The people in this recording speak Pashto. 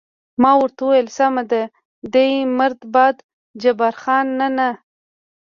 ما ورته وویل: سمه ده، دی مرده باد، جبار خان: نه، نه.